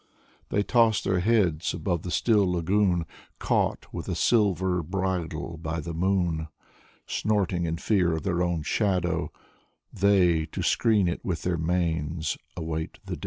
They toss their heads above the still lagoon Caught with a silver bridle by the moon. Snorting in fear of their own shadow, they, To screen it with their manes, await the day.